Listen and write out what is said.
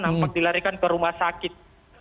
nampak dilarikan ke rumah sakit